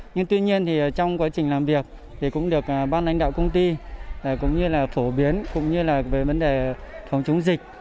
nhưng tuy nhiên trong quá trình làm việc cũng được ban lãnh đạo công ty cũng như là phổ biến cũng như là về vấn đề phòng chống dịch